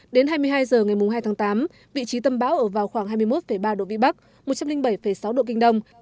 đến hai mươi hai h ngày hai tháng tám vị trí tâm bão ở vào khoảng hai mươi một ba độ vĩ bắc một trăm linh bảy sáu độ kinh đông